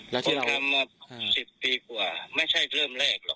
เดี๋ยวเราทำวัน๑๐ปีกว่าไม่ใช่เริ่มแรกหรอก